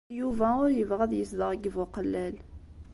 Yuba ur yebɣi ad yezdeɣ deg Buqellal.